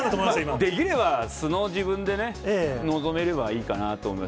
できれば素の自分でね、臨めればいいかなと思います。